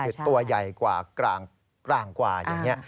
คือตัวใหญ่กว่ากลางกว่าอย่างนี้